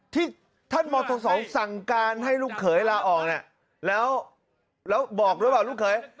ที่ท่านมธ๒สั่งการให้ลูกเขยลาออกเนี่ยแล้วบอกด้วยว่าลูกเขย